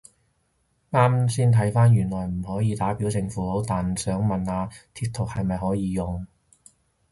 啱先睇返原來唔可以打表情符號，但想問下貼圖係咪可以用？